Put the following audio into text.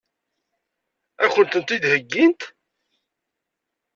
Ad kent-ten-id-heggint?